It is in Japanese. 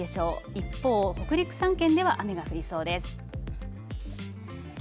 一方、北陸３県では雨が降りそうです。